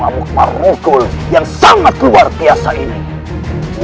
aku dengan baju seperti itu